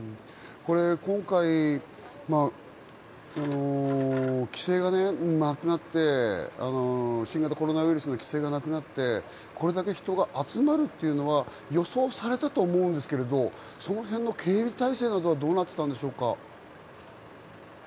今回、新型コロナの規制がなくなって、これだけ人が集まるっていうのは予想されたと思うんですけれど、そのへんの警備態勢はどうなっていたんでしょうか？